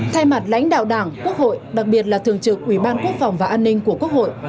thay mặt lãnh đạo đảng quốc hội đặc biệt là thường trực ủy ban quốc phòng và an ninh của quốc hội